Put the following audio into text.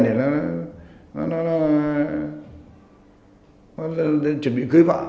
nó chuẩn bị cưới vợ